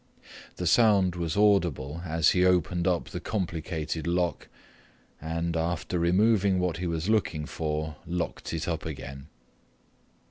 The sound was audible as he opened up the complicated lock and, after removing what he was looking for, locked it up again.